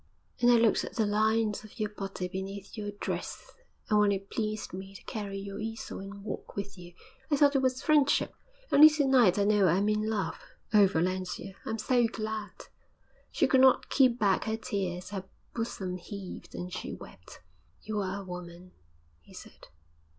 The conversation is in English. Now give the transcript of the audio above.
And I looked at the lines of your body beneath your dress. And when it pleased me to carry your easel and walk with you, I thought it was friendship. Only to night I know I am in love. Oh, Valentia, I am so glad!' She could not keep back her tears. Her bosom heaved, and she wept. 'You are a woman,' he said.